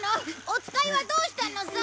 お使いはどうしたのさ？